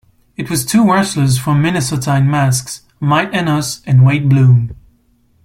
It was two wrestlers from Minnesota in masks, Mike Enos and Wayne Bloom.